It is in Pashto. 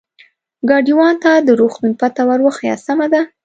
ګاډیوان ته د روغتون پته ور وښیه، سمه ده.